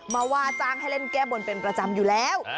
ว่าจ้างให้เล่นแก้บนเป็นประจำอยู่แล้ว